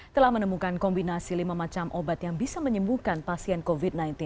telah menemukan kombinasi lima macam obat yang bisa menyembuhkan pasien covid sembilan belas